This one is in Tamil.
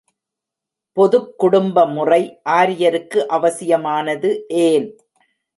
பொதுக் குடும்பமுறை ஆரியருக்கு அவசியமானது ஏன்?